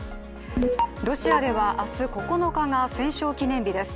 ロシアでは、明日９日が戦勝記念日です。